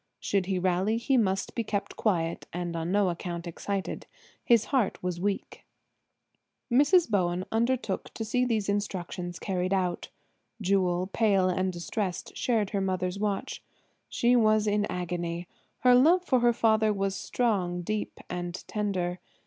Should he rally he must be kept quiet, and on no account excited; his heart was weak. Mrs. Bowen undertook to see these instructions carried out. Jewel, pale and distressed, shared her mother's watch. She was in agony; her love for her father was strong, deep and tender.